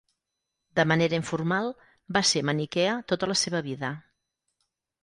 De manera informal, va ser maniquea tota la seva vida.